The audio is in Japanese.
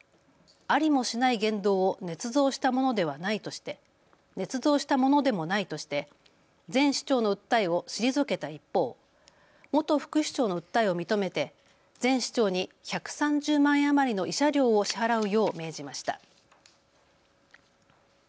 ありもしない言動をねつ造したものでもないとして前市長の訴えを退けた一方、元副市長の訴えを認めて前市長に１３０万円余りの慰謝料を支払うよう命じました。